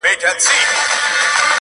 تر کارګه یې په سل ځله حال بتر دی!!